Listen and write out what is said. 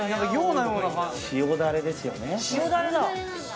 塩ダレですよね。